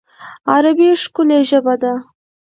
عربي ښکلی ژبه ده